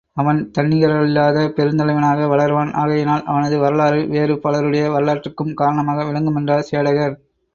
அவன் தன்னிகரில்லாத பெருந்தலைவனாக வளர்வான் ஆகையினால் அவனது வரலாறு வேறு பலருடைய வரலாற்றுக்கும் காரணமாக விளங்குமென்றார் சேடகர்.